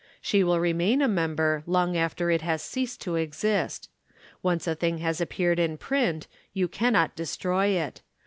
"She will remain a member long after it has ceased to exist. Once a thing has appeared in print, you cannot destroy it.